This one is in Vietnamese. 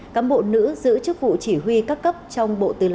cám bộ nữ giữ chức vụ chỉ huy các cấp trong bộ tư lệnh